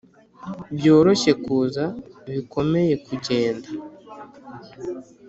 byoroshye kuza, bikomeye kugenda